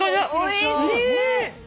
おいしい！